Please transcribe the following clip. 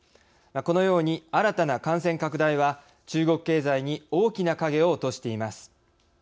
このように新たな感染拡大は中国経済に大きな影を落としています。